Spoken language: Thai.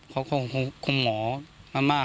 เขาขอขอบคุณหมอมาก